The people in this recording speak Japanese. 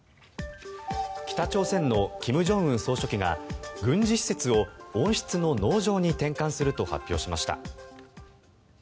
北朝鮮の金正恩総書記が軍事施設を温室の農場に転換すると発表しました。